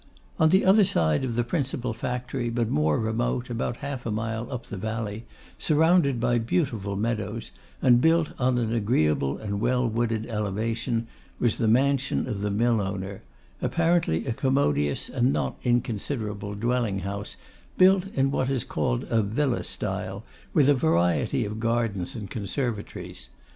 On the other side of the principal factory, but more remote, about half a mile up the valley, surrounded by beautiful meadows, and built on an agreeable and well wooded elevation, was the mansion of the mill owner; apparently a commodious and not inconsiderable dwelling house, built in what is called a villa style, with a variety of gardens and conservatories.